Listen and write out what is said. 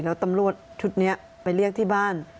แล้วตำรวจชุดนี้ไปเรียกที่บ้าน